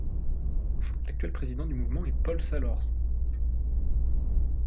L'actuel président du mouvement est Paul Salort.